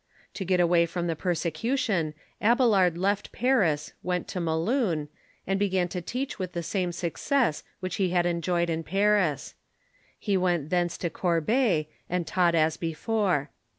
To get away from the per secution Abelard left Paris, went to Melun, and began to teach with the same success which he had enjoyed in Paris, He went thence to Corbeil, and taught as before.